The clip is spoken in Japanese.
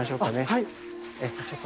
はい！